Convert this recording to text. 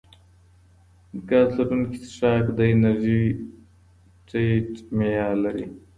ګاز لرونکي څښاک د انرژۍ ټیټ معیار لري.